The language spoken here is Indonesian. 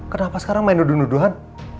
kenapa sekarang main dudung duduhan